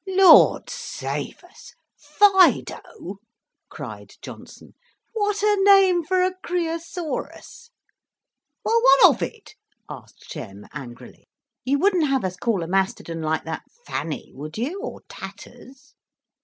"Lord save us! Fido!" cried Johnson. "What a name for a Creosaurus!" "Well, what of it?" asked Shem, angrily. "You wouldn't have us call a mastodon like that Fanny, would you, or Tatters?"